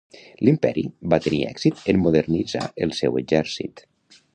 L'Imperi va tenir èxit en modernitzar el seu exèrcit.